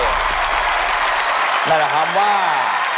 นั่นแหละครับว่า